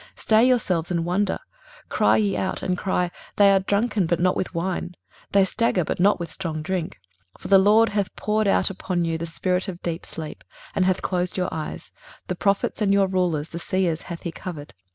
23:029:009 Stay yourselves, and wonder; cry ye out, and cry: they are drunken, but not with wine; they stagger, but not with strong drink. 23:029:010 For the LORD hath poured out upon you the spirit of deep sleep, and hath closed your eyes: the prophets and your rulers, the seers hath he covered.